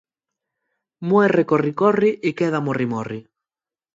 Muerre corri corri y queda morri morri.